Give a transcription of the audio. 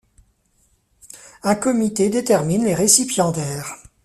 Un comité détermine les récipiendaires.